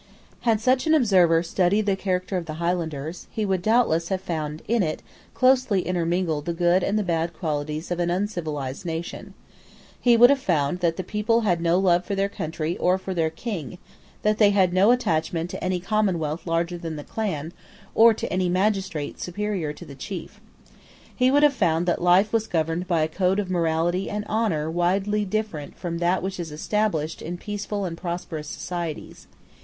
Had such an observer studied the character of the Highlanders, he would doubtless have found in it closely intermingled the good and the bad qualities of an uncivilised nation. He would have found that the people had no love for their country or for their king; that they had no attachment to any commonwealth larger than the clan, or to any magistrate superior to the chief. He would have found that life was governed by a code of morality and honour widely different from that which is established in peaceful and prosperous societies.